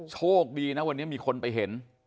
โชคดีนะวันนี้มีคนไปเห็น